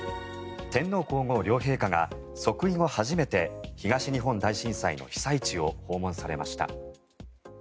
天皇・皇后両陛下が即位後初めて東日本大震災の被災地を訪問されました。